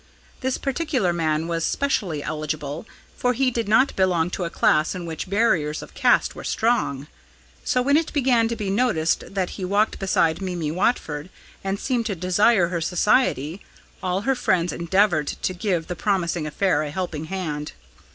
This particular man was specially eligible, for he did not belong to a class in which barriers of caste were strong. So when it began to be noticed that he walked beside Mimi Watford and seemed to desire her society, all their friends endeavoured to give the promising affair a helping hand.